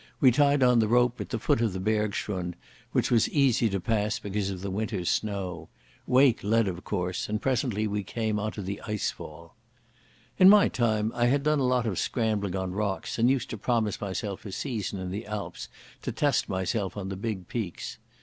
We tied on the rope at the foot of the bergschrund, which was easy to pass because of the winter's snow. Wake led, of course, and presently we came on to the icefall. In my time I had done a lot of scrambling on rocks and used to promise myself a season in the Alps to test myself on the big peaks.